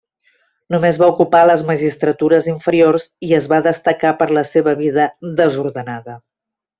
Només va ocupar les magistratures inferiors i es va destacar per la seva vida desordenada.